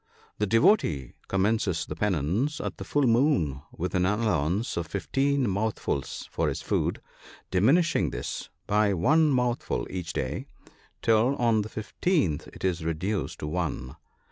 The devotee commences the • penance at the full moon with an allowance of fifteen mouthfuls for his food, diminishing this by one mouthful each day, till on the fifteenth it is reduced to one.